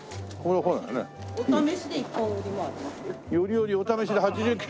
よりよりお試しで８９。